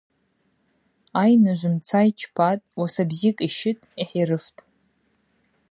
Айныжв мца йчпатӏ, уаса бзикӏ йщытӏ, йхӏирыфтӏ.